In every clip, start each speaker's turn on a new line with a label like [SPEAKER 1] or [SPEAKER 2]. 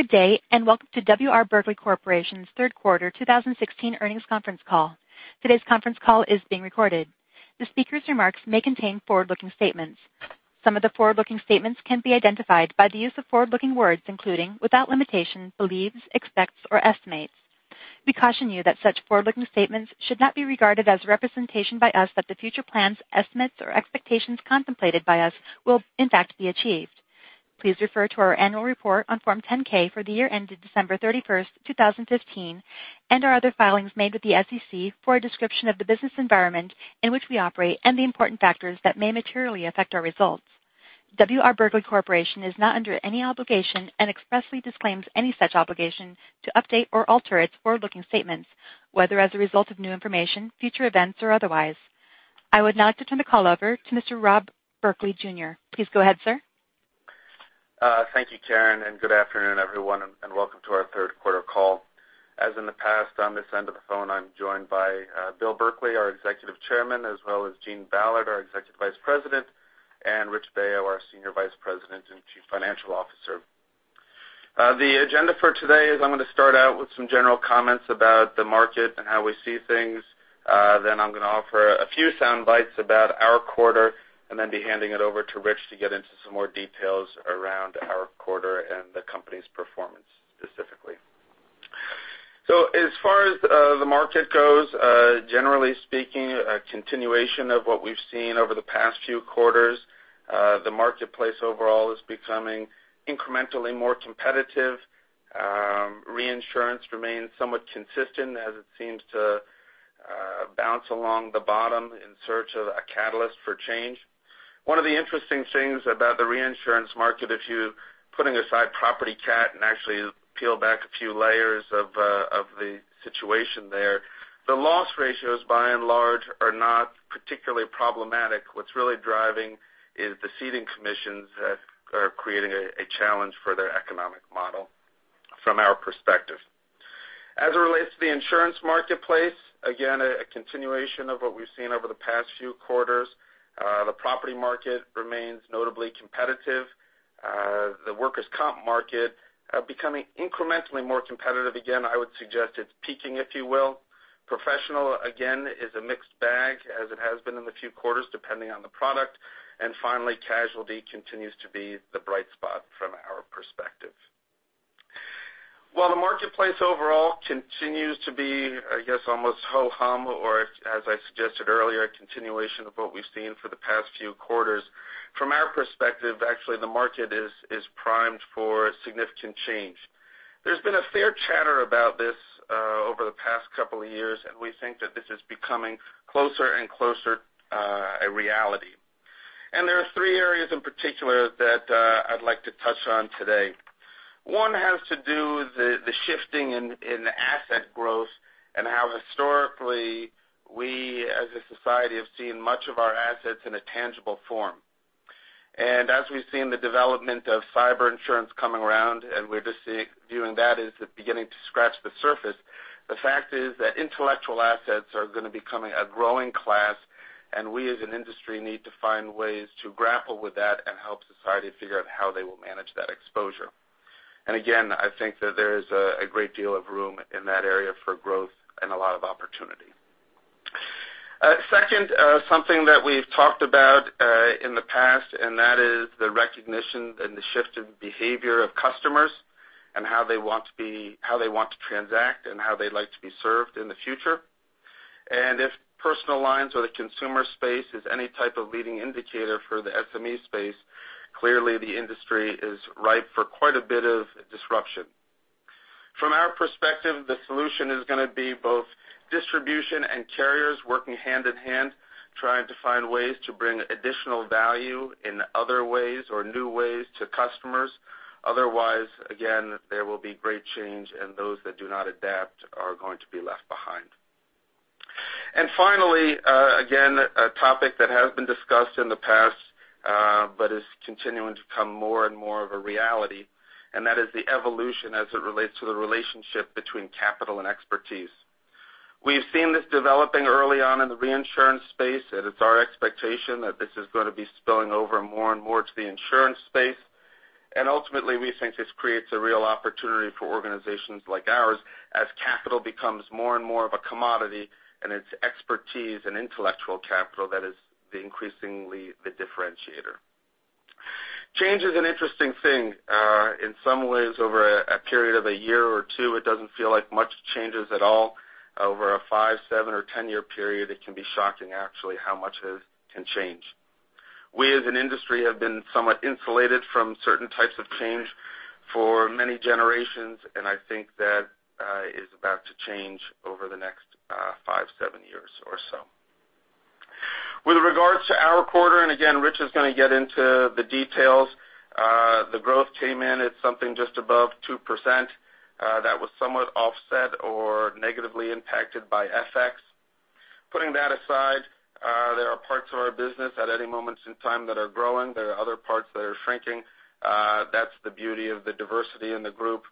[SPEAKER 1] Good day, welcome to W. R. Berkley Corporation's third quarter 2016 earnings conference call. Today's conference call is being recorded. The speaker's remarks may contain forward-looking statements. Some of the forward-looking statements can be identified by the use of forward-looking words, including, without limitation, believes, expects or estimates. We caution you that such forward-looking statements should not be regarded as a representation by us that the future plans, estimates or expectations contemplated by us will in fact be achieved. Please refer to our annual report on Form 10-K for the year ended December 31st, 2015, and our other filings made with the SEC for a description of the business environment in which we operate and the important factors that may materially affect our results. W. R. Berkley Corporation is not under any obligation and expressly disclaims any such obligation to update or alter its forward-looking statements, whether as a result of new information, future events, or otherwise. I would now like to turn the call over to Mr. Rob Berkley Jr. Please go ahead, sir.
[SPEAKER 2] Thank you, Karen, good afternoon, everyone, welcome to our third quarter call. As in the past, on this end of the phone, I'm joined by Bill Berkley, our Executive Chairman, as well as Eugene Ballard, our Executive Vice President, and Rich Baio, our Senior Vice President and Chief Financial Officer. The agenda for today is I'm going to start out with some general comments about the market and how we see things. I'm going to offer a few soundbites about our quarter, then be handing it over to Rich to get into some more details around our quarter and the company's performance specifically. As far as the market goes, generally speaking, a continuation of what we've seen over the past few quarters. The marketplace overall is becoming incrementally more competitive. Reinsurance remains somewhat consistent as it seems to bounce along the bottom in search of a catalyst for change. One of the interesting things about the reinsurance market, if you're putting aside property CAT and actually peel back a few layers of the situation there, the loss ratios by and large are not particularly problematic. What's really driving is the ceding commissions that are creating a challenge for their economic model from our perspective. As it relates to the insurance marketplace, again, a continuation of what we've seen over the past few quarters. The property market remains notably competitive. The workers' comp market becoming incrementally more competitive. Again, I would suggest it's peaking, if you will. Professional, again, is a mixed bag, as it has been in the few quarters, depending on the product. Finally, casualty continues to be the bright spot from our perspective. While the marketplace overall continues to be, I guess, almost ho-hum or as I suggested earlier, a continuation of what we've seen for the past few quarters. From our perspective, actually, the market is primed for significant change. There's been a fair chatter about this over the past couple of years, and we think that this is becoming closer and closer a reality. There are three areas in particular that I'd like to touch on today. One has to do with the shifting in asset growth and how historically we, as a society, have seen much of our assets in a tangible form. As we've seen the development of cyber insurance coming around, and we're just viewing that as the beginning to scratch the surface, the fact is that intellectual assets are going to becoming a growing class, and we as an industry need to find ways to grapple with that and help society figure out how they will manage that exposure. Again, I think that there is a great deal of room in that area for growth and a lot of opportunity. Second, something that we've talked about in the past, and that is the recognition and the shift in behavior of customers and how they want to transact and how they'd like to be served in the future. If personal lines or the consumer space is any type of leading indicator for the SME space, clearly the industry is ripe for quite a bit of disruption. From our perspective, the solution is going to be both distribution and carriers working hand-in-hand, trying to find ways to bring additional value in other ways or new ways to customers. Otherwise, again, there will be great change, and those that do not adapt are going to be left behind. Finally, again, a topic that has been discussed in the past, but is continuing to become more and more of a reality, and that is the evolution as it relates to the relationship between capital and expertise. We've seen this developing early on in the reinsurance space, and it's our expectation that this is going to be spilling over more and more to the insurance space. Ultimately, we think this creates a real opportunity for organizations like ours as capital becomes more and more of a commodity and its expertise and intellectual capital that is increasingly the differentiator. Change is an interesting thing. In some ways, over a period of a year or two, it doesn't feel like much changes at all. Over a five, seven, or 10 year period, it can be shocking actually how much can change. We as an industry have been somewhat insulated from certain types of change for many generations, and I think that is about to change over the next five, seven years or so. With regards to our quarter, again, Rich is going to get into the details. The growth came in at something just above 2%. That was somewhat offset or negatively impacted by FX. Putting that aside, there are parts of our business at any moments in time that are growing. There are other parts that are shrinking. That's the beauty of the diversity in the group.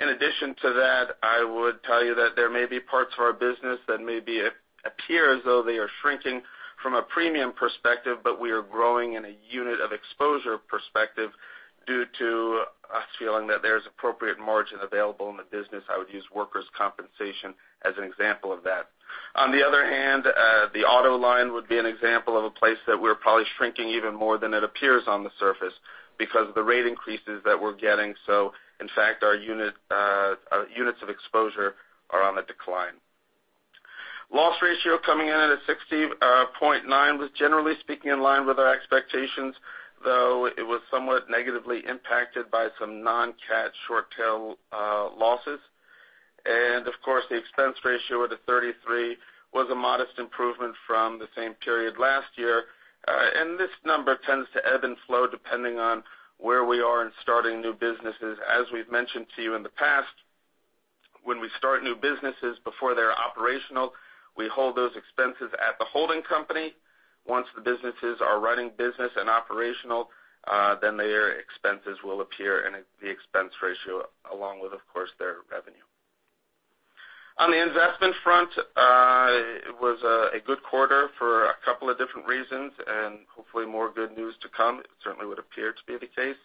[SPEAKER 2] In addition to that, I would tell you that there may be parts of our business that maybe appear as though they are shrinking from a premium perspective, but we are growing in a unit of exposure perspective due to us feeling that there's appropriate margin available in the business. I would use workers' compensation as an example of that. On the other hand, the auto line would be an example of a place that we're probably shrinking even more than it appears on the surface because of the rate increases that we're getting. In fact, our units of exposure are on the decline. Loss ratio coming in at a 60.9 was generally speaking in line with our expectations, though it was somewhat negatively impacted by some non-CAT short tail losses. Of course, the expense ratio at a 33 was a modest improvement from the same period last year. This number tends to ebb and flow depending on where we are in starting new businesses. As we've mentioned to you in the past, when we start new businesses before they're operational, we hold those expenses at the holding company. Once the businesses are running business and operational, their expenses will appear in the expense ratio along with, of course, their revenue. On the investment front, it was a good quarter for a couple of different reasons, and hopefully more good news to come. It certainly would appear to be the case.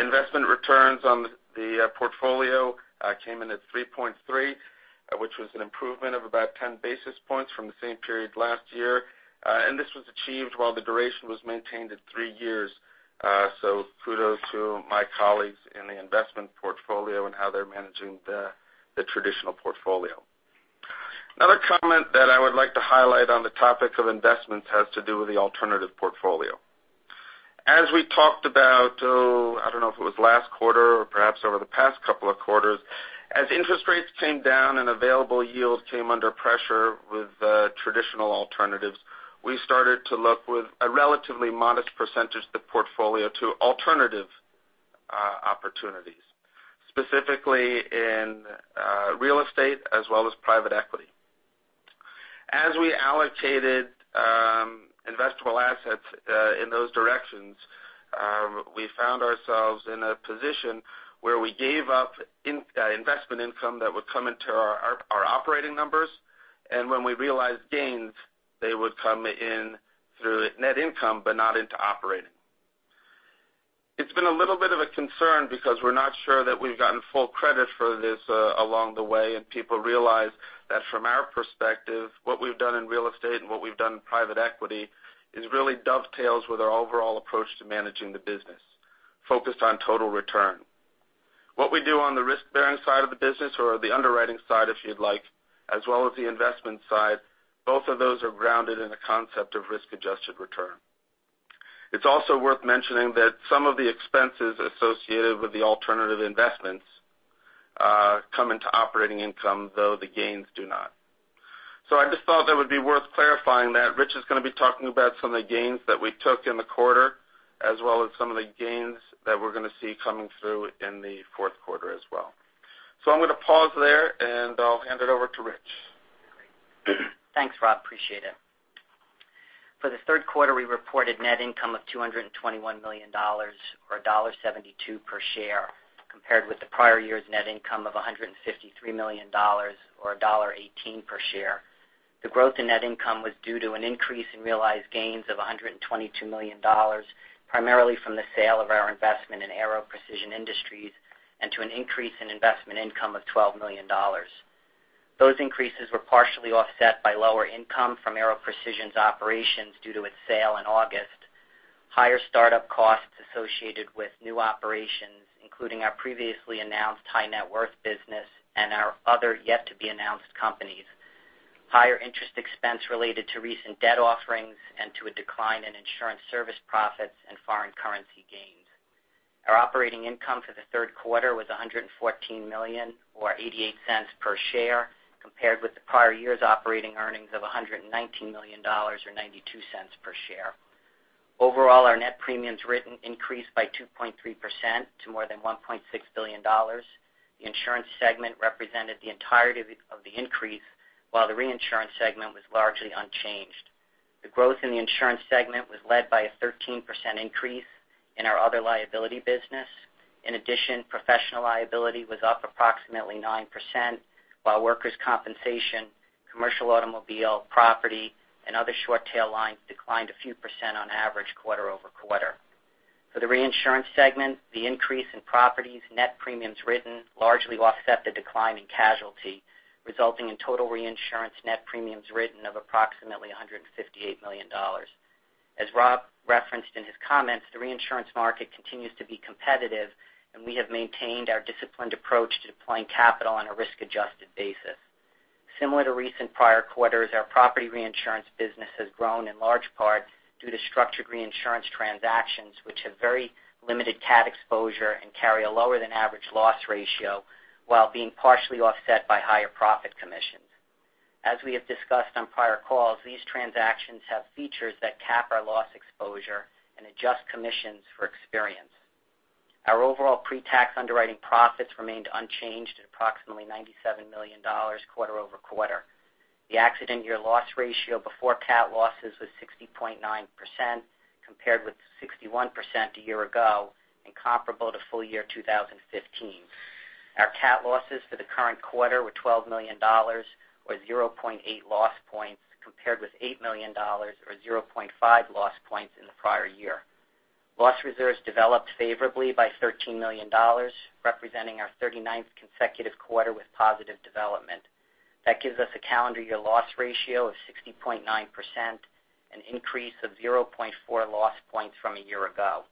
[SPEAKER 2] Investment returns on the portfolio came in at 3.3, which was an improvement of about 10 basis points from the same period last year. This was achieved while the duration was maintained at three years. Kudos to my colleagues in the investment portfolio and how they're managing the traditional portfolio. Another comment that I would like to highlight on the topic of investments has to do with the alternative portfolio. As we talked about, I don't know if it was last quarter or perhaps over the past couple of quarters, as interest rates came down and available yield came under pressure with traditional alternatives, we started to look with a relatively modest percentage of the portfolio to alternative opportunities, specifically in real estate as well as private equity. As we allocated investable assets in those directions, we found ourselves in a position where we gave up investment income that would come into our operating numbers, and when we realized gains, they would come in through net income, but not into operating. It's been a little bit of a concern because we're not sure that we've gotten full credit for this along the way, and people realize that from our perspective, what we've done in real estate and what we've done in private equity is really dovetails with our overall approach to managing the business, focused on total return. What we do on the risk-bearing side of the business or the underwriting side, if you'd like, as well as the investment side, both of those are grounded in the concept of risk-adjusted return. It's also worth mentioning that some of the expenses associated with the alternative investments come into operating income, though the gains do not. I just thought that would be worth clarifying that Rich is going to be talking about some of the gains that we took in the quarter, as well as some of the gains that we're going to see coming through in the fourth quarter as well. I'm going to pause there, and I'll hand it over to Rich.
[SPEAKER 3] Thanks, Rob. Appreciate it. For the third quarter, we reported net income of $221 million, or $1.72 per share, compared with the prior year's net income of $153 million, or $1.18 per share. The growth in net income was due to an increase in realized gains of $122 million, primarily from the sale of our investment in Aero Precision Industries and to an increase in investment income of $12 million. Those increases were partially offset by lower income from Aero Precision's operations due to its sale in August, higher startup costs associated with new operations, including our previously announced high net worth business and our other yet to be announced companies. Higher interest expense related to recent debt offerings and to a decline in insurance service profits and foreign currency gains. Our operating income for the third quarter was $114 million or $0.88 per share, compared with the prior year's operating earnings of $119 million or $0.92 per share. Overall, our net premiums written increased by 2.3% to more than $1.6 billion. The insurance segment represented the entirety of the increase, while the reinsurance segment was largely unchanged. The growth in the insurance segment was led by a 13% increase in our other liability business. In addition, professional liability was up approximately 9%, while workers' compensation, commercial automobile, property, and other short tail lines declined a few % on average quarter-over-quarter. For the reinsurance segment, the increase in properties net premiums written largely offset the decline in casualty, resulting in total reinsurance net premiums written of approximately $158 million. As Rob referenced in his comments, the reinsurance market continues to be competitive, and we have maintained our disciplined approach to deploying capital on a risk-adjusted basis. Similar to recent prior quarters, our property reinsurance business has grown in large part due to structured reinsurance transactions, which have very limited CAT exposure and carry a lower than average loss ratio while being partially offset by higher profit commissions. As we have discussed on prior calls, these transactions have features that cap our loss exposure and adjust commissions for experience. Our overall pre-tax underwriting profits remained unchanged at approximately $97 million quarter-over-quarter. The accident year loss ratio before CAT losses was 60.9%. Compared with 61% a year ago and comparable to full year 2015. Our CAT losses for the current quarter were $12 million, or 0.8 loss points, compared with $8 million or 0.5 loss points in the prior year. Loss reserves developed favorably by $13 million, representing our 39th consecutive quarter with positive development. This gives us a calendar year loss ratio of 60.9%, an increase of 0.4 loss points from a year ago.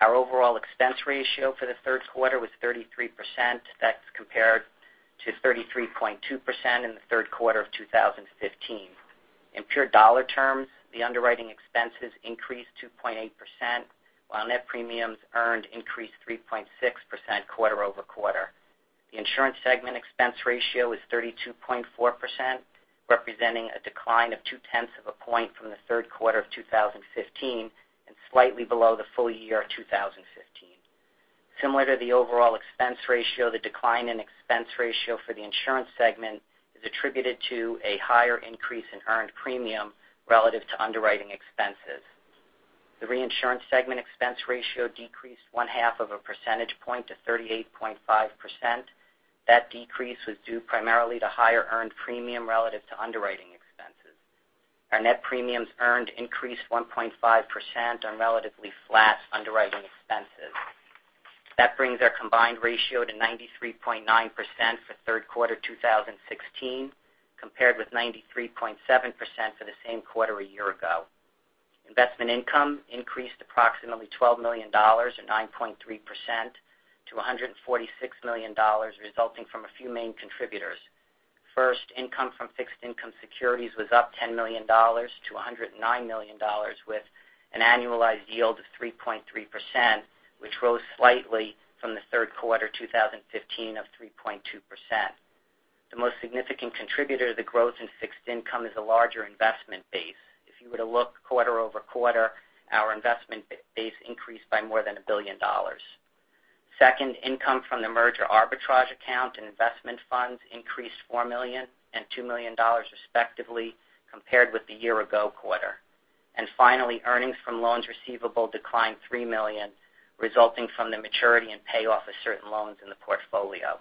[SPEAKER 3] Our overall expense ratio for the third quarter was 33%. This compared to 33.2% in the third quarter of 2015. In pure dollar terms, the underwriting expenses increased 2.8%, while net premiums earned increased 3.6% quarter-over-quarter. The insurance segment expense ratio is 32.4%, representing a decline of two-tenths of a point from the third quarter of 2015 and slightly below the full year of 2015. Similar to the overall expense ratio, the decline in expense ratio for the insurance segment is attributed to a higher increase in earned premium relative to underwriting expenses. The reinsurance segment expense ratio decreased one-half of a percentage point to 38.5%. This decrease was due primarily to higher earned premium relative to underwriting expenses. Our net premiums earned increased 1.5% on relatively flat underwriting expenses. This brings our combined ratio to 93.9% for third quarter 2016, compared with 93.7% for the same quarter a year ago. Investment income increased approximately $12 million, or 9.3%, to $146 million, resulting from a few main contributors. First, income from fixed income securities was up $10 million to $109 million, with an annualized yield of 3.3%, which rose slightly from the third quarter 2015 of 3.2%. The most significant contributor to the growth in fixed income is a larger investment base. If you were to look quarter-over-quarter, our investment base increased by more than $1 billion. Second, income from the merger arbitrage account and investment funds increased $4 million and $2 million respectively, compared with the year-ago quarter. Finally, earnings from loans receivable declined $3 million, resulting from the maturity and payoff of certain loans in the portfolio.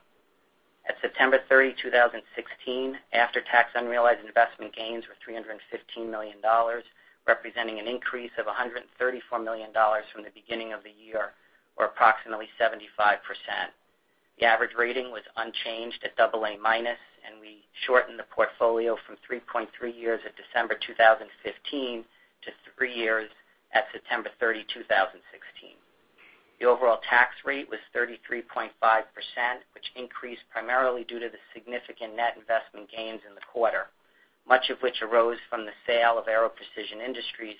[SPEAKER 3] At September 30, 2016, after-tax unrealized investment gains were $315 million, representing an increase of $134 million from the beginning of the year, or approximately 75%. The average rating was unchanged at double A-minus, and we shortened the portfolio from 3.3 years at December 2015 to three years at September 30, 2016. The overall tax rate was 33.5%, which increased primarily due to the significant net investment gains in the quarter, much of which arose from the sale of Aero Precision Industries,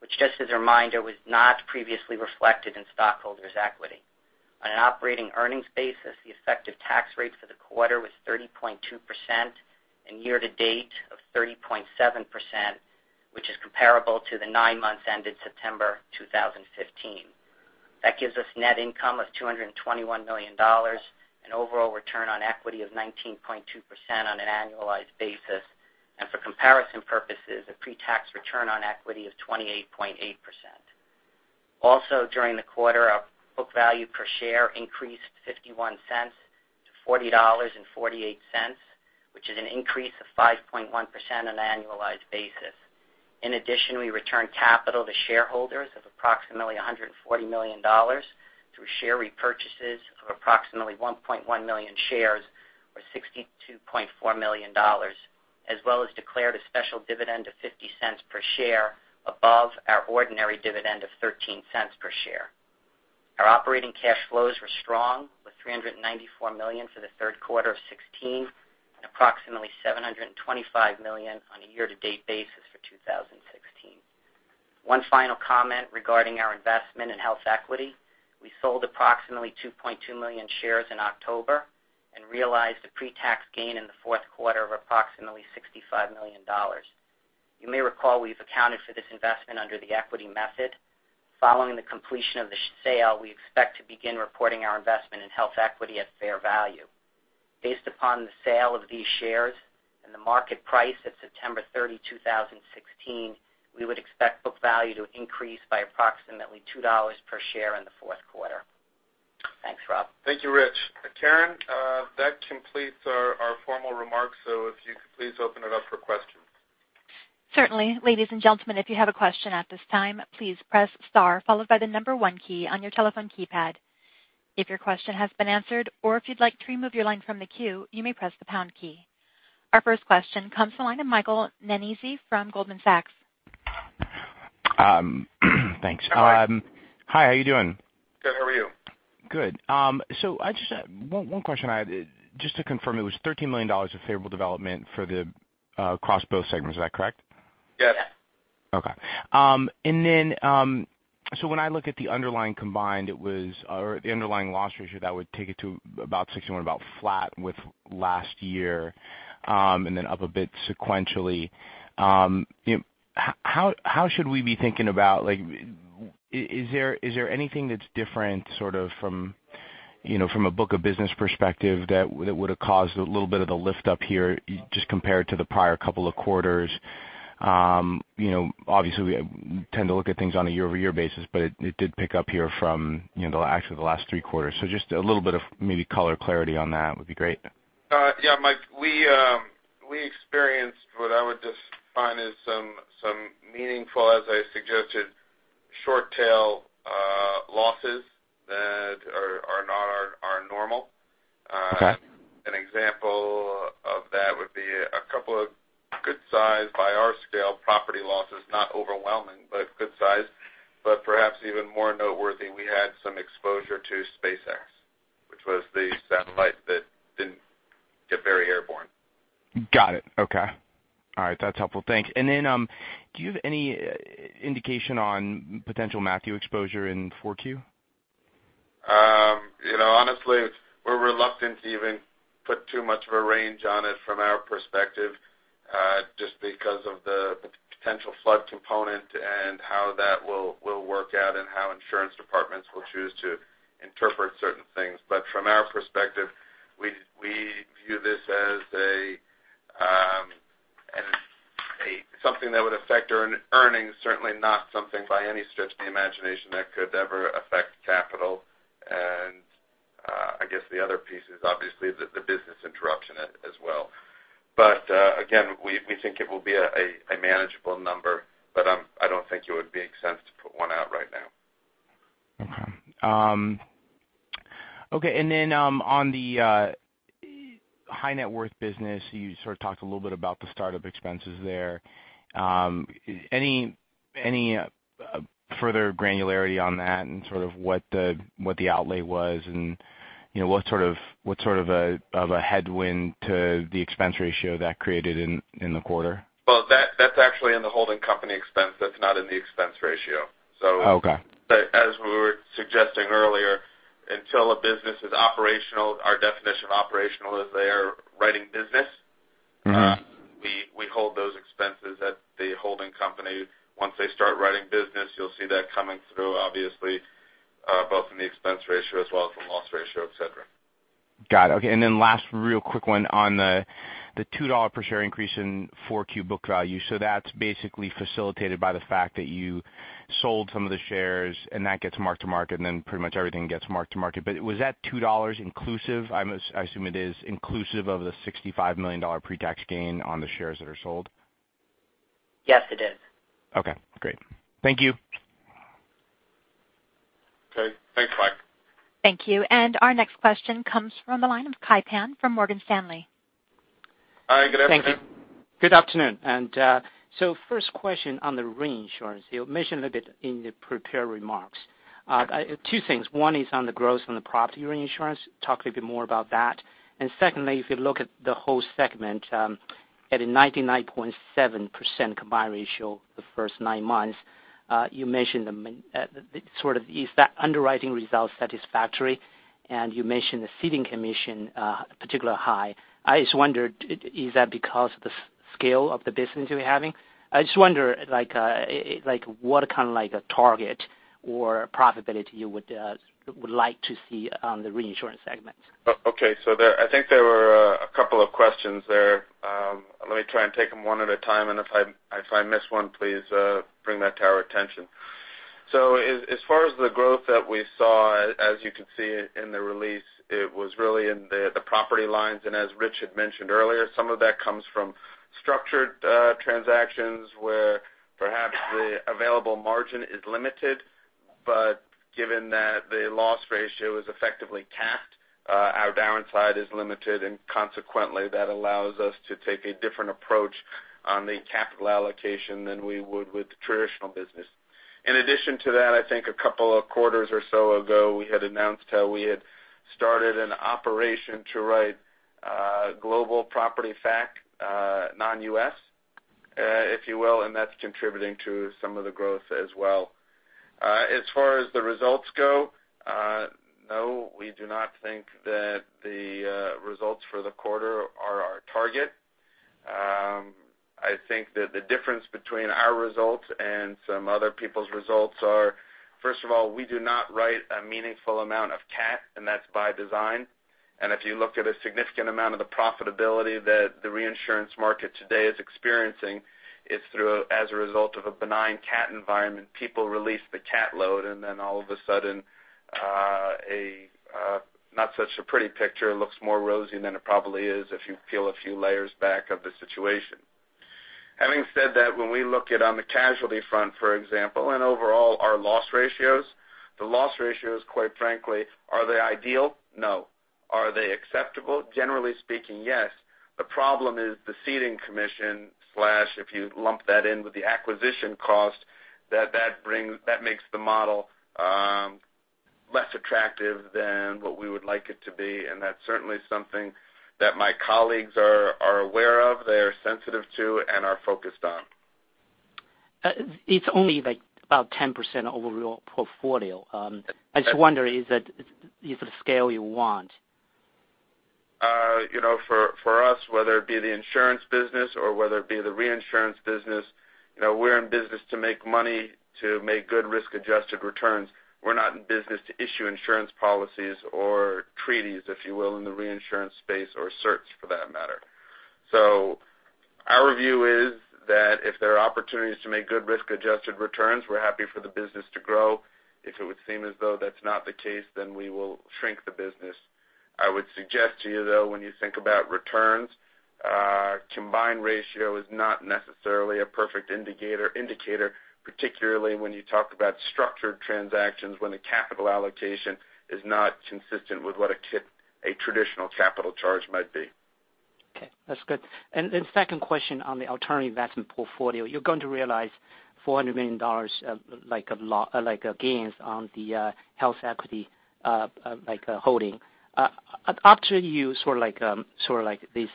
[SPEAKER 3] which, just as a reminder, was not previously reflected in stockholders' equity. On an operating earnings basis, the effective tax rate for the quarter was 30.2% and year-to-date of 30.7%, which is comparable to the nine months ended September 2015. This gives us net income of $221 million, an overall return on equity of 19.2% on an annualized basis, and for comparison purposes, a pre-tax return on equity of 28.8%. During the quarter, our book value per share increased $0.51 to $40.48, which is an increase of 5.1% on an annualized basis. We returned capital to shareholders of approximately $140 million through share repurchases of approximately 1.1 million shares or $62.4 million, as well as declared a special dividend of $0.50 per share above our ordinary dividend of $0.13 per share. Our operating cash flows were strong, with $394 million for the third quarter of 2016 and approximately $725 million on a year-to-date basis for 2016. One final comment regarding our investment in HealthEquity. We sold approximately 2.2 million shares in October and realized a pre-tax gain in the fourth quarter of approximately $65 million. You may recall we've accounted for this investment under the equity method. Following the completion of the sale, we expect to begin reporting our investment in HealthEquity at fair value. Based upon the sale of these shares and the market price at September 30, 2016, we would expect book value to increase by approximately $2 per share in the fourth quarter. Thanks, Rob.
[SPEAKER 2] Thank you, Rich. Karen, that completes our formal remarks, if you could please open it up for questions.
[SPEAKER 1] Certainly. Ladies and gentlemen, if you have a question at this time, please press star followed by the number 1 key on your telephone keypad. If your question has been answered or if you'd like to remove your line from the queue, you may press the pound key. Our first question comes to the line of Michael Nannizzi from Goldman Sachs.
[SPEAKER 4] Thanks.
[SPEAKER 2] Hi.
[SPEAKER 4] Hi, how you doing?
[SPEAKER 2] Good. How are you?
[SPEAKER 4] Good. One question I had just to confirm, it was $13 million of favorable development across both segments. Is that correct?
[SPEAKER 2] Yes.
[SPEAKER 4] Okay. When I look at the underlying combined, or the underlying loss ratio, that would take it to about 61%, about flat with last year, and then up a bit sequentially. How should we be thinking about Is there anything that's different sort of from a book of business perspective, that would have caused a little bit of the lift up here just compared to the prior couple of quarters. Obviously, we tend to look at things on a year-over-year basis, but it did pick up here from actually the last three quarters. Just a little bit of maybe color clarity on that would be great.
[SPEAKER 2] Yeah, Mike, we experienced what I would define as some meaningful, as I suggested, short-tail losses that are not normal.
[SPEAKER 4] Okay.
[SPEAKER 2] An example of that would be a couple of good size, by our scale, property losses, not overwhelming, but good size, but perhaps even more noteworthy, we had some exposure to SpaceX, which was the satellite that didn't get very airborne.
[SPEAKER 4] Got it. Okay. All right. That's helpful. Thanks. Then, do you have any indication on potential Matthew exposure in four Q?
[SPEAKER 2] Honestly, we're reluctant to even put too much of a range on it from our perspective, just because of the potential flood component and how that will work out and how insurance departments will choose to interpret certain things. From our perspective, we view this as something that would affect earnings, certainly not something by any stretch of the imagination that could ever affect capital. I guess the other piece is obviously the business interruption as well. Again, we think it will be a manageable number, but I don't think it would make sense to put one out right now.
[SPEAKER 4] Okay. On the high net worth business, you sort of talked a little bit about the startup expenses there. Any further granularity on that and sort of what the outlay was and what sort of a headwind to the expense ratio that created in the quarter?
[SPEAKER 2] Well, that's actually in the holding company expense. That's not in the expense ratio.
[SPEAKER 4] Okay.
[SPEAKER 2] As we were suggesting earlier, until a business is operational, our definition of operational is they are writing business. We hold those expenses at the holding company. Once they start writing business, you'll see that coming through obviously both in the expense ratio as well as the loss ratio, et cetera.
[SPEAKER 4] Got it. Okay. Last real quick one on the $2 per share increase in 4Q book value. That's basically facilitated by the fact that you sold some of the shares and that gets marked to market, and then pretty much everything gets marked to market. Was that $2 inclusive? I assume it is inclusive of the $65 million pre-tax gain on the shares that are sold.
[SPEAKER 3] Yes, it is.
[SPEAKER 4] Okay, great. Thank you.
[SPEAKER 2] Okay. Thanks, Mike.
[SPEAKER 1] Thank you. Our next question comes from the line of Kai Pan from Morgan Stanley.
[SPEAKER 2] Hi, good afternoon.
[SPEAKER 5] Good afternoon. First question on the reinsurance. You mentioned a bit in the prepared remarks. Two things. One is on the growth on the property reinsurance. Talk a little bit more about that. Secondly, if you look at the whole segment, at a 99.7% combined ratio the first nine months, you mentioned sort of is that underwriting result satisfactory? You mentioned the ceding commission particularly high. I just wondered, is that because of the scale of the business you're having? I just wonder what kind of target or profitability you would like to see on the reinsurance segment?
[SPEAKER 2] Okay. I think there were a couple of questions there. Let me try and take them one at a time, and if I miss one, please bring that to our attention. As far as the growth that we saw, as you can see in the release, it was really in the property lines. As Rich had mentioned earlier, some of that comes from structured transactions where perhaps the available margin is limited. Given that the loss ratio is effectively capped, our downside is limited, and consequently, that allows us to take a different approach on the capital allocation than we would with the traditional business. In addition to that, I think a couple of quarters or so ago, we had announced how we had started an operation to write global property fac non-U.S., if you will, and that's contributing to some of the growth as well. As far as the results go, no, we do not think that the results for the quarter are our target. I think that the difference between our results and some other people's results are, first of all, we do not write a meaningful amount of CAT, and that's by design. If you look at a significant amount of the profitability that the reinsurance market today is experiencing, it's as a result of a benign CAT environment. People release the CAT load, then all of a sudden, not such a pretty picture. It looks rosier than it probably is if you peel a few layers back of the situation. Having said that, when we look at on the casualty front, for example, and overall our loss ratios, the loss ratios, quite frankly, are they ideal? No. Are they acceptable? Generally speaking, yes. The problem is the ceding commission slash if you lump that in with the acquisition cost, that makes the model less attractive than what we would like it to be, that's certainly something that my colleagues are aware of, they are sensitive to, and are focused on.
[SPEAKER 5] It's only like about 10% over your portfolio. I just wonder is it the scale you want?
[SPEAKER 2] For us, whether it be the insurance business or whether it be the reinsurance business, we're in business to make money, to make good risk-adjusted returns. We're not in business to issue insurance policies or treaties, if you will, in the reinsurance space or search for that matter. Our view is that if there are opportunities to make good risk-adjusted returns, we're happy for the business to grow. If it would seem as though that's not the case, we will shrink the business. I would suggest to you, though, when you think about returns, combined ratio is not necessarily a perfect indicator, particularly when you talk about structured transactions when the capital allocation is not consistent with what a traditional capital charge might be.
[SPEAKER 5] Okay, that's good. Second question on the alternative investment portfolio. You're going to realize $400 million of gains on the HealthEquity holding. After you, sort of like this,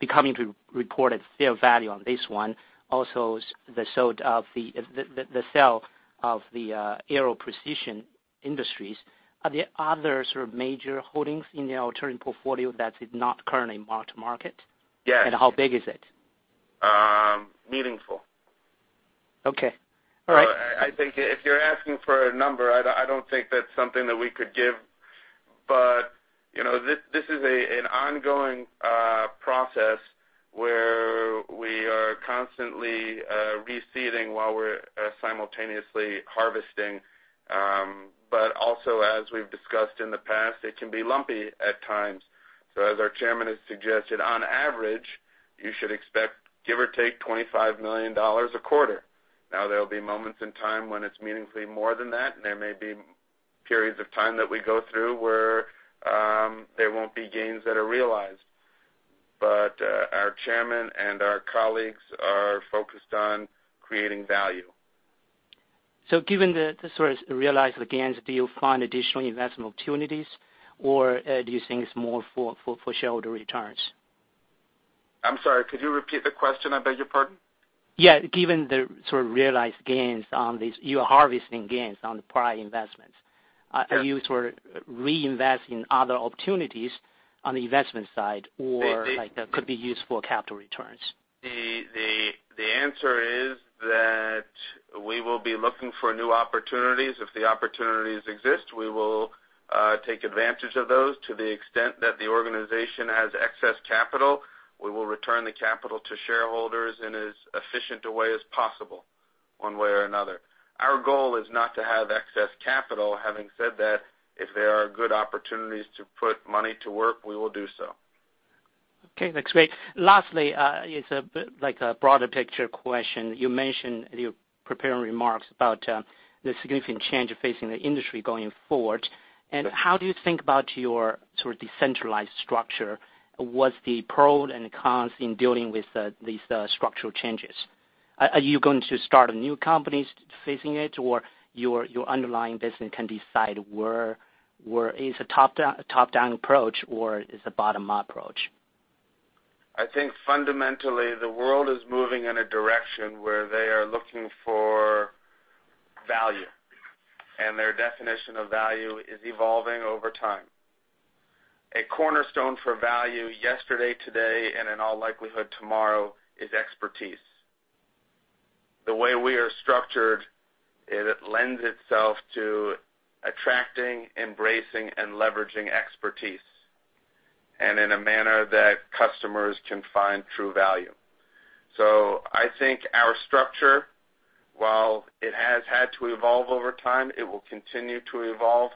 [SPEAKER 5] becoming to report its fair value on this one, also the sale of the Aero Precision Industries, are there other sort of major holdings in the alternative portfolio that is not currently marked to market?
[SPEAKER 2] Yes.
[SPEAKER 5] How big is it?
[SPEAKER 2] Meaningful.
[SPEAKER 5] Okay. All right.
[SPEAKER 2] I think if you're asking for a number, I don't think that's something that we could give. This is an ongoing process where we are constantly reseeding while we're simultaneously harvesting. Also, as we've discussed in the past, it can be lumpy at times. As our chairman has suggested, on average, you should expect give or take $25 million a quarter. Now, there'll be moments in time when it's meaningfully more than that, and there may be periods of time that we go through where there won't be gains that are realized. Our chairman and our colleagues are focused on creating value.
[SPEAKER 5] Given the realized gains, do you find additional investment opportunities or do you think it's more for shareholder returns?
[SPEAKER 2] I'm sorry, could you repeat the question? I beg your pardon.
[SPEAKER 5] Yeah. Given the sort of realized gains on this, you are harvesting gains on the prior investments.
[SPEAKER 2] Yes.
[SPEAKER 5] Are you sort of reinvesting other opportunities on the investment side or could be used for capital returns?
[SPEAKER 2] The answer is that we will be looking for new opportunities. If the opportunities exist, we will take advantage of those. To the extent that the organization has excess capital, we will return the capital to shareholders in as efficient a way as possible, one way or another. Our goal is not to have excess capital. Having said that, if there are good opportunities to put money to work, we will do so.
[SPEAKER 5] Okay, that's great. Lastly, it's a bit like a broader picture question. You mentioned in your preparing remarks about the significant change facing the industry going forward.
[SPEAKER 2] Right.
[SPEAKER 5] How do you think about your sort of decentralized structure? What's the pros and cons in dealing with these structural changes? Are you going to start new companies facing it, or your underlying business can decide where is a top-down approach or is a bottom-up approach?
[SPEAKER 2] I think fundamentally, the world is moving in a direction where they are looking for value, and their definition of value is evolving over time. A cornerstone for value yesterday, today, and in all likelihood tomorrow is expertise. The way we are structured, it lends itself to attracting, embracing, and leveraging expertise, and in a manner that customers can find true value. I think our structure, while it has had to evolve over time, it will continue to evolve.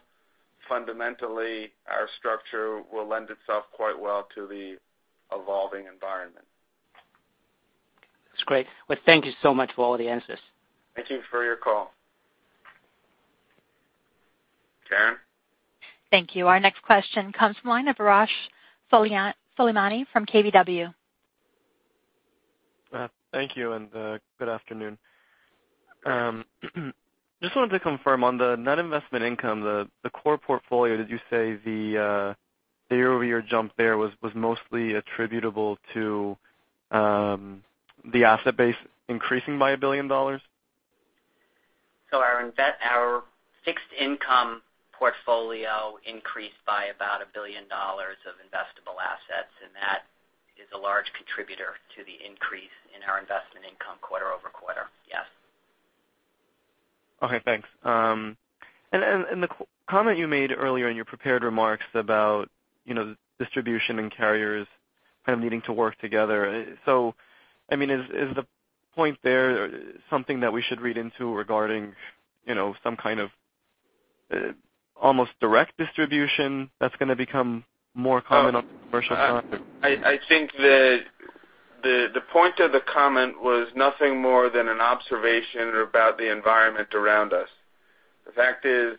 [SPEAKER 2] Fundamentally, our structure will lend itself quite well to the evolving environment.
[SPEAKER 5] That's great. Well, thank you so much for all the answers.
[SPEAKER 2] Thank you for your call. Karen?
[SPEAKER 1] Thank you. Our next question comes from the line of Arash Soleimani from KBW.
[SPEAKER 6] Thank you. Good afternoon. Just wanted to confirm on the net investment income, the core portfolio, did you say the year-over-year jump there was mostly attributable to the asset base increasing by $1 billion?
[SPEAKER 3] Our fixed income portfolio increased by about $1 billion of investable assets, and that is a large contributor to the increase in our investment income quarter-over-quarter. Yes.
[SPEAKER 6] Okay, thanks. The comment you made earlier in your prepared remarks about distribution and carriers kind of needing to work together. Is the point there something that we should read into regarding some kind of almost direct distribution that's going to become more common on the commercial side?
[SPEAKER 2] I think the point of the comment was nothing more than an observation about the environment around us. The fact is,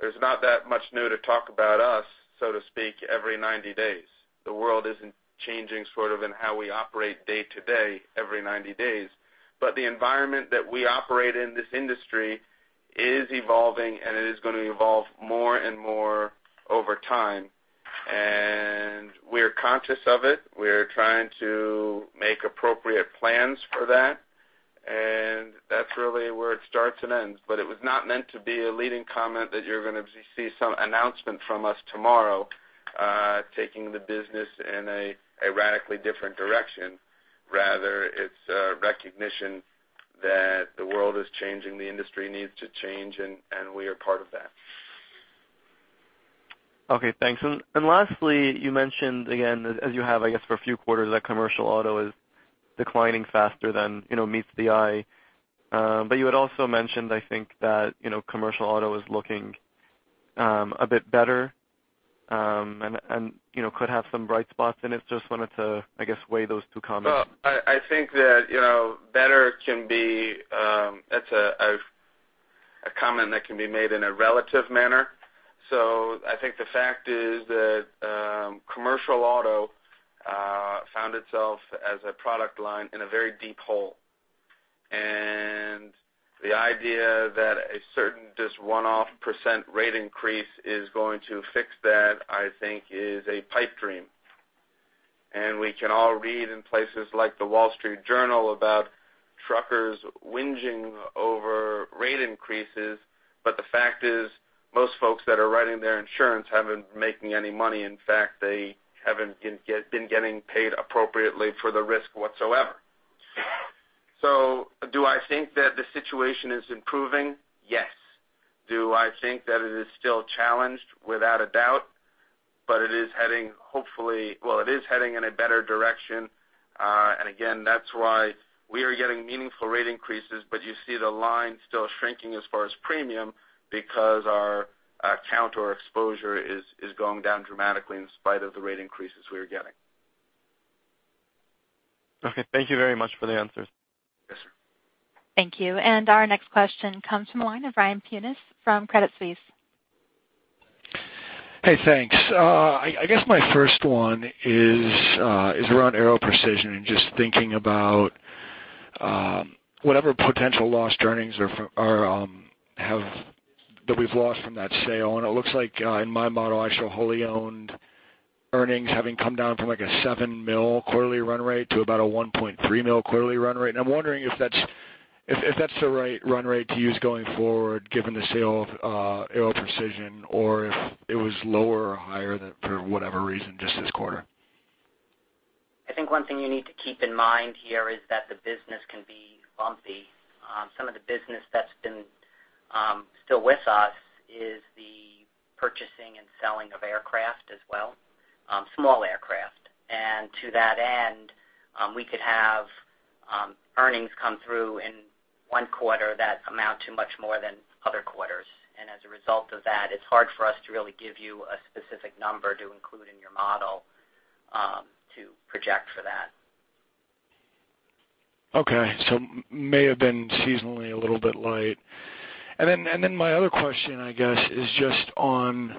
[SPEAKER 2] there's not that much new to talk about us, so to speak, every 90 days. The world isn't changing sort of in how we operate day to day every 90 days. The environment that we operate in this industry is evolving, and it is going to evolve more and more over time. We are conscious of it. We are trying to make appropriate plans for that. That's really where it starts and ends. It was not meant to be a leading comment that you're going to see some announcement from us tomorrow, taking the business in a radically different direction. Rather, it's a recognition that the world is changing, the industry needs to change, and we are part of that.
[SPEAKER 6] Okay, thanks. Lastly, you mentioned again, as you have, I guess, for a few quarters, that commercial auto is declining faster than meets the eye. You had also mentioned, I think, that commercial auto is looking a bit better and could have some bright spots in it. Just wanted to, I guess, weigh those two comments.
[SPEAKER 2] Well, I think that's a comment that can be made in a relative manner. I think the fact is that commercial auto found itself as a product line in a very deep hole. The idea that a certain, just one-off % rate increase is going to fix that, I think is a pipe dream. We can all read in places like The Wall Street Journal about truckers whinging over rate increases. The fact is, most folks that are writing their insurance haven't been making any money. In fact, they haven't been getting paid appropriately for the risk whatsoever. Do I think that the situation is improving? Yes. Do I think that it is still challenged? Without a doubt. It is heading in a better direction. Again, that's why we are getting meaningful rate increases. You see the line still shrinking as far as premium because our account or exposure is going down dramatically in spite of the rate increases we are getting.
[SPEAKER 6] Okay. Thank you very much for the answers.
[SPEAKER 2] Yes, sir.
[SPEAKER 1] Thank you. Our next question comes from the line of Ryan Tunis from Credit Suisse.
[SPEAKER 7] Hey, thanks. I guess my first one is around Aero Precision and just thinking about whatever potential lost earnings that we've lost from that sale. It looks like in my model, I show wholly owned earnings having come down from like a $7 million quarterly run rate to about a $1.3 million quarterly run rate. I'm wondering if that's the right run rate to use going forward, given the sale of Aero Precision, or if it was lower or higher than for whatever reason, just this quarter.
[SPEAKER 3] I think one thing you need to keep in mind here is that the business can be bumpy. Some of the business that's been still with us is the purchasing and selling of aircraft as well, small aircraft. To that end, we could have earnings come through in one quarter that amount to much more than other quarters. As a result of that, it's hard for us to really give you a specific number to include in your model to project for that.
[SPEAKER 7] Okay. May have been seasonally a little bit light. My other question, I guess, is just on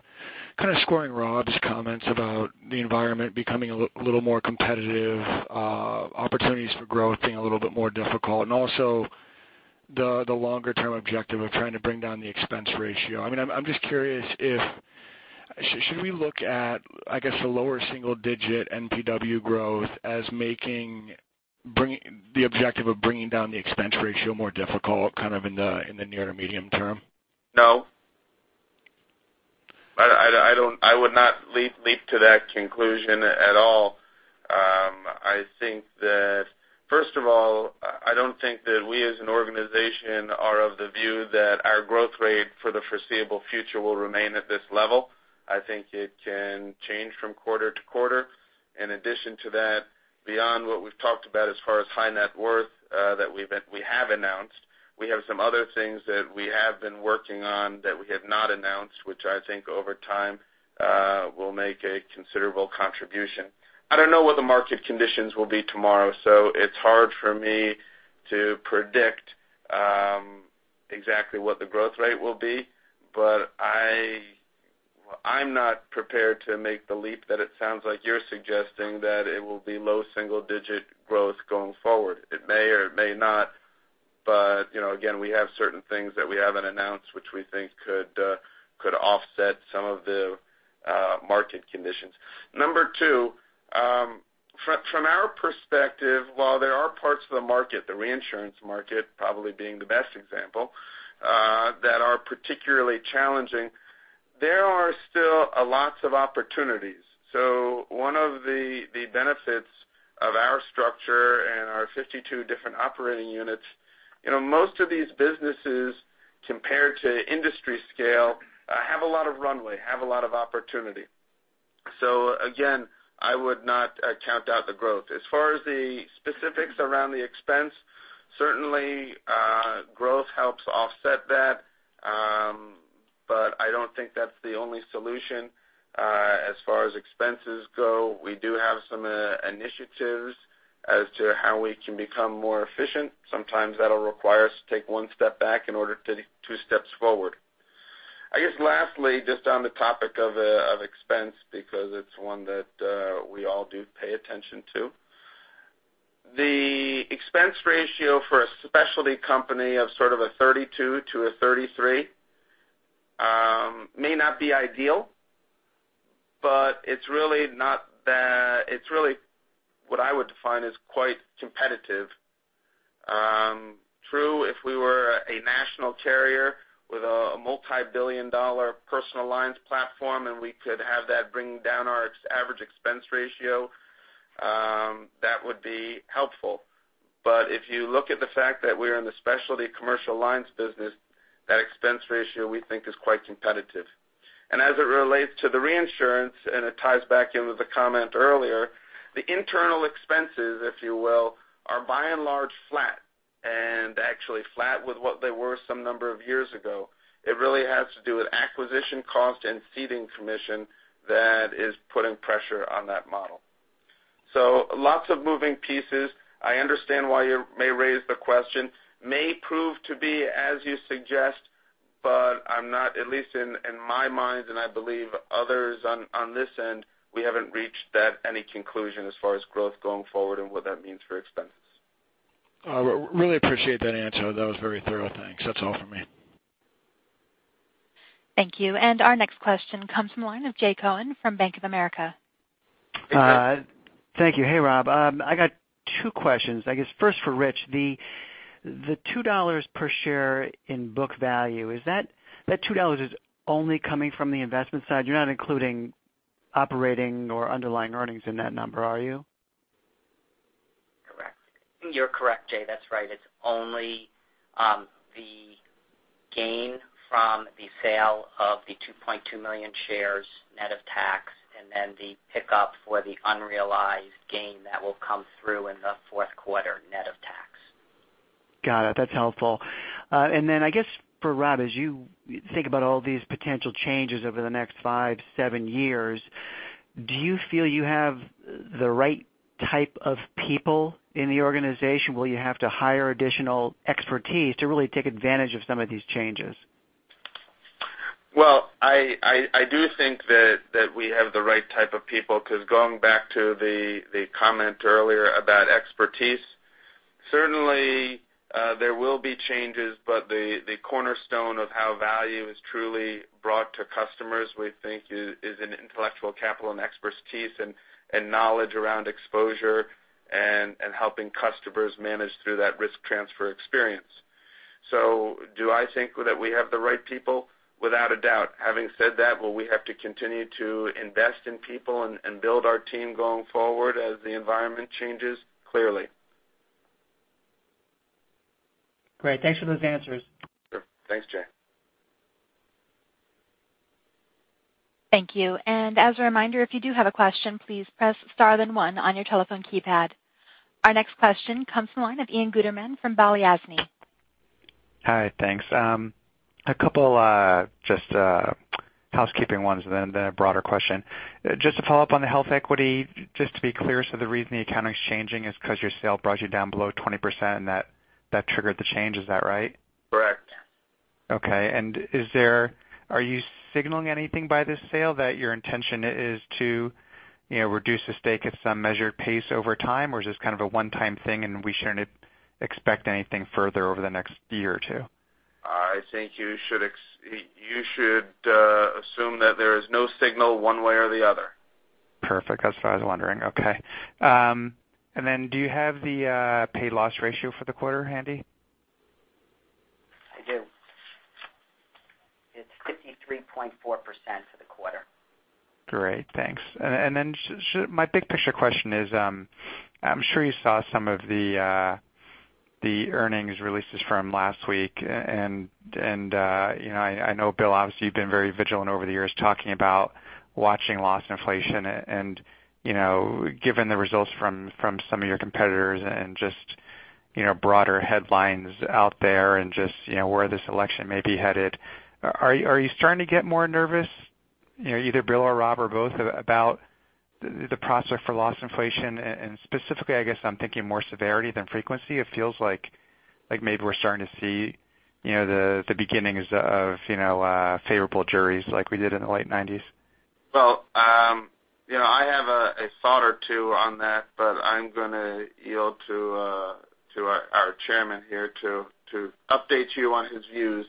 [SPEAKER 7] kind of squaring Rob's comments about the environment becoming a little more competitive, opportunities for growth being a little bit more difficult, and also the longer-term objective of trying to bring down the expense ratio. I'm just curious, should we look at, I guess, the lower single-digit NPW growth as making the objective of bringing down the expense ratio more difficult kind of in the near to medium term?
[SPEAKER 2] No. I would not leap to that conclusion at all. I think that first of all, I don't think that we as an organization are of the view that our growth rate for the foreseeable future will remain at this level. I think it can change from quarter to quarter. In addition to that, beyond what we've talked about as far as high net worth that we have announced, we have some other things that we have been working on that we have not announced, which I think over time will make a considerable contribution. I don't know what the market conditions will be tomorrow, so it's hard for me to predict exactly what the growth rate will be. I'm not prepared to make the leap that it sounds like you're suggesting that it will be low single-digit growth going forward. It may or it may not. Again, we have certain things that we haven't announced which we think could offset some of the market conditions. Number two, from our perspective, while there are parts of the market, the reinsurance market probably being the best example, that are particularly challenging, there are still a lot of opportunities. One of the benefits of our structure and our 52 different operating units, most of these businesses, compared to industry scale, have a lot of runway, have a lot of opportunity. Again, I would not count out the growth. As far as the specifics around the expense, certainly, growth helps offset that. I don't think that's the only solution. As far as expenses go, we do have some initiatives as to how we can become more efficient. Sometimes that'll require us to take one step back in order to take two steps forward. I guess lastly, just on the topic of expense, because it's one that we all do pay attention to. The expense ratio for a specialty company of sort of a 32% to a 33% may not be ideal, but it's really what I would define as quite competitive. True, if we were a national carrier with a $ multi-billion personal lines platform, and we could have that bring down our average expense ratio, that would be helpful. If you look at the fact that we're in the specialty commercial lines business, that expense ratio, we think, is quite competitive. As it relates to the reinsurance, it ties back into the comment earlier. The internal expenses, if you will, are by and large flat, and actually flat with what they were some number of years ago. It really has to do with acquisition cost and ceding commission that is putting pressure on that model. Lots of moving pieces. I understand why you may raise the question. May prove to be as you suggest. I'm not, at least in my mind and I believe others on this end, we haven't reached any conclusion as far as growth going forward and what that means for expenses.
[SPEAKER 7] I really appreciate that answer. That was very thorough. Thanks. That's all for me.
[SPEAKER 1] Thank you. Our next question comes from the line of Jay Cohen from Bank of America.
[SPEAKER 2] Hey, Jay.
[SPEAKER 8] Thank you. Hey, Rob. I got two questions. I guess first for Rich, the $2 per share in book value, that $2 is only coming from the investment side. You're not including operating or underlying earnings in that number, are you?
[SPEAKER 3] Correct. You're correct, Jay. That's right. It's only the gain from the sale of the 2.2 million shares net of tax, and then the pickup for the unrealized gain that will come through in the fourth quarter net of tax.
[SPEAKER 8] Got it. That's helpful. I guess for Rob, as you think about all these potential changes over the next five, seven years, do you feel you have the right type of people in the organization? Will you have to hire additional expertise to really take advantage of some of these changes?
[SPEAKER 2] Well, I do think that we have the right type of people because going back to the comment earlier about expertise, certainly there will be changes, but the cornerstone of how value is truly brought to customers, we think, is in intellectual capital and expertise and knowledge around exposure and helping customers manage through that risk transfer experience. Do I think that we have the right people? Without a doubt. Having said that, will we have to continue to invest in people and build our team going forward as the environment changes? Clearly.
[SPEAKER 8] Great. Thanks for those answers.
[SPEAKER 2] Sure. Thanks, Jay.
[SPEAKER 1] Thank you. As a reminder, if you do have a question, please press star then one on your telephone keypad. Our next question comes from the line of Ian Gutterman from Balyasny.
[SPEAKER 9] Hi, thanks. A couple just housekeeping ones and then a broader question. Just to follow up on the HealthEquity, just to be clear, the reason the accounting's changing is because your sale brought you down below 20% and that triggered the change, is that right?
[SPEAKER 2] Correct.
[SPEAKER 9] Okay. Are you signaling anything by this sale that your intention is to reduce the stake at some measured pace over time, or is this kind of a one-time thing and we shouldn't expect anything further over the next year or two?
[SPEAKER 2] I think you should assume that there is no signal one way or the other.
[SPEAKER 9] Perfect. That's what I was wondering. Okay. Do you have the pay loss ratio for the quarter handy?
[SPEAKER 3] I do. It's 53.4% for the quarter.
[SPEAKER 9] Great. Thanks. My big picture question is I'm sure you saw some of the earnings releases from last week and I know, Bill, obviously you've been very vigilant over the years talking about watching loss inflation and given the results from some of your competitors and just broader headlines out there and just where this election may be headed, are you starting to get more nervous, either Bill or Rob or both, about the prospect for loss inflation and specifically, I guess I'm thinking more severity than frequency. It feels like maybe we're starting to see the beginnings of favorable juries like we did in the late '90s.
[SPEAKER 2] Well, I have a thought or two on that, but I'm going to yield to our chairman here to update you on his views.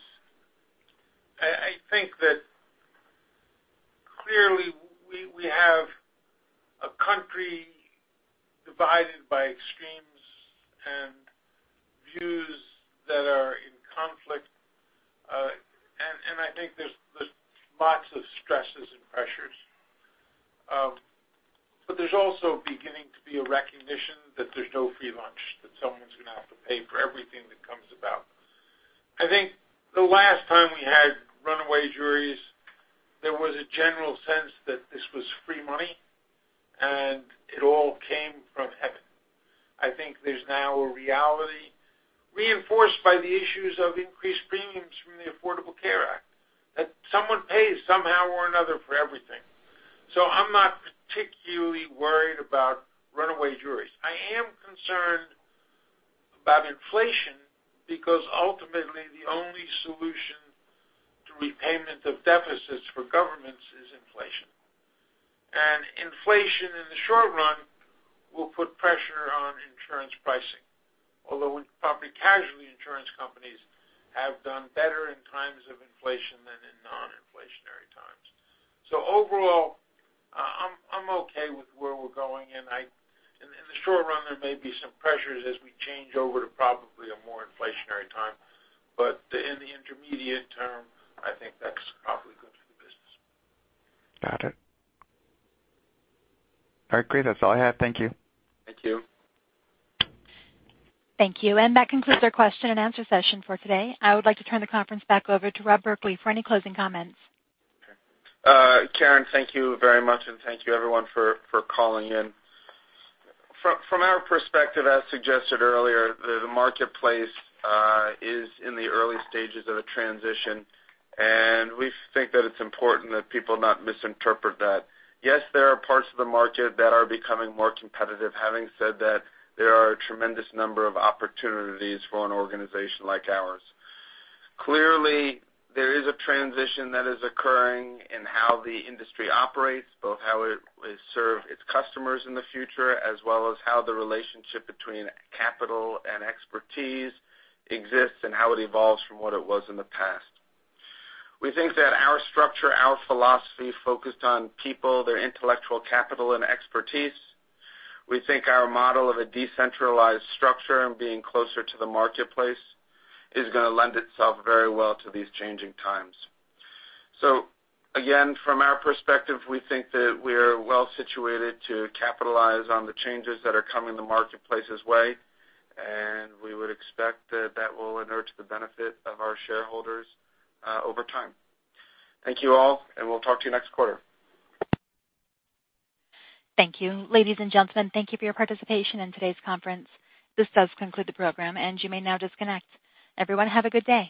[SPEAKER 10] I think that clearly we have a country divided by extremes and views that are in conflict. I think there's lots of stresses and pressures. There's also beginning to be a recognition that there's no free lunch, that someone's going to have to pay for everything that comes about. I think the last time we had runaway juries, there was a general sense that this was free money, and it all came from heaven. I think there's now a reality reinforced by the issues of increased premiums from the Affordable Care Act, that someone pays somehow or another for everything. I'm not particularly worried about runaway juries. I am concerned about inflation because ultimately the only solution to repayment of deficits for governments is inflation.
[SPEAKER 2] Inflation in the short run will put pressure on insurance pricing, although property casualty insurance companies have done better in times of inflation than in non-inflationary times. Overall, I'm okay with where we're going, and in the short run, there may be some pressures as we change over to probably a more inflationary time. In the intermediate term, I think that's probably good for the business.
[SPEAKER 9] Got it. All right, great. That's all I have. Thank you.
[SPEAKER 2] Thank you.
[SPEAKER 1] Thank you. That concludes our question and answer session for today. I would like to turn the conference back over to Rob Berkley for any closing comments.
[SPEAKER 2] Okay. Karen, thank you very much, and thank you everyone for calling in. From our perspective, as suggested earlier, the marketplace is in the early stages of a transition. We think that it's important that people not misinterpret that. Yes, there are parts of the market that are becoming more competitive. Having said that, there are a tremendous number of opportunities for an organization like ours. Clearly, there is a transition that is occurring in how the industry operates, both how it will serve its customers in the future, as well as how the relationship between capital and expertise exists and how it evolves from what it was in the past. We think that our structure, our philosophy focused on people, their intellectual capital and expertise. We think our model of a decentralized structure and being closer to the marketplace is going to lend itself very well to these changing times. Again, from our perspective, we think that we're well-situated to capitalize on the changes that are coming the marketplace's way. We would expect that that will inure to the benefit of our shareholders over time. Thank you all, and we'll talk to you next quarter.
[SPEAKER 1] Thank you. Ladies and gentlemen, thank you for your participation in today's conference. This does conclude the program, and you may now disconnect. Everyone, have a good day.